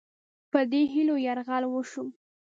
په دې هیلو یرغل وشو.